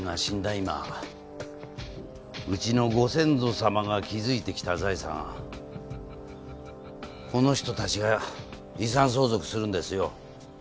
今うちのご先祖様が築いてきた財産この人たちが遺産相続するんですよ。